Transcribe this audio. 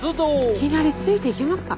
いきなりついていけますか？